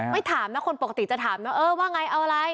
ไม่ถามนะคนปกติจะถามว่าว่างัยเอาอะไร